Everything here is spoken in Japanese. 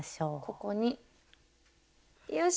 ここによし。